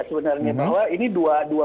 sebenarnya bahwa ini dua